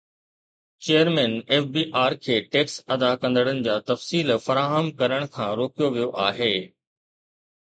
chairman F B R کي tax ادا ڪندڙن جا تفصيل فراهم ڪرڻ کان روڪيو ويو آهي